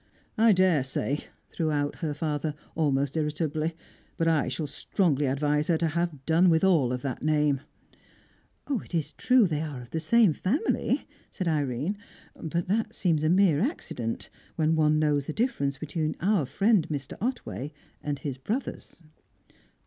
"I daresay," threw out her father, almost irritably, "but I shall strongly advise her to have done with all of that name." "It's true they are of the same family," said Irene, "but that seems a mere accident, when one knows the difference between our friend Mr. Otway and his brothers."